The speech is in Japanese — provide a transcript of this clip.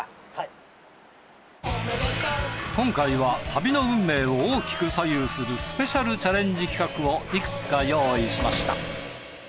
今回は旅の運命を大きく左右するスペシャルチャレンジ企画をいくつか用意しました。